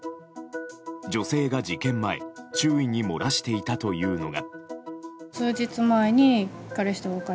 女性が事件前、周囲に漏らしていたというのが。